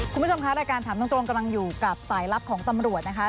คุณผู้ชมคะรายการถามตรงกำลังอยู่กับสายลับของตำรวจนะคะ